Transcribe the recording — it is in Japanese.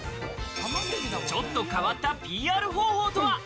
ちょっと変わったＰＲ方法とは？